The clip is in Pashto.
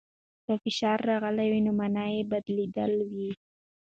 که فشار راغلی وای، نو مانا به بدلېدلې وای.